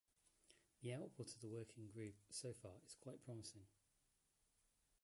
The output of the working group so far is quite promising.